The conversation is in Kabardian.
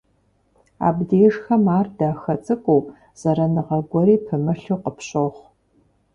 Абдежхэм ар дахэ цӀыкӀуу, зэраныгъэ гуэри пымылъу къыпщохъу.